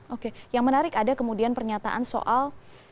oke yang menarik ada kemudian pernyataan soal